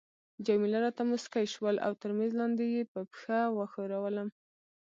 جميله راته مسکی شول او تر میز لاندي يې په پښه وښورولم.